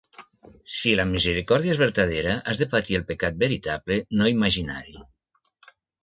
Si la misericòrdia és vertadera, has de patir el pecat veritable, no imaginari.